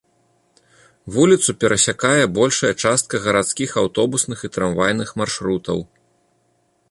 Вуліцу перасякае большая частка гарадскіх аўтобусных і трамвайных маршрутаў.